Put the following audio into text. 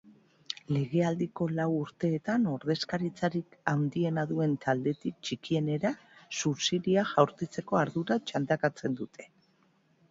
Legealdiko lau urteetan ordezkaritzarik handiena duen taldetik txikienera suziria jaurtitzeko ardura txandakatzen dute.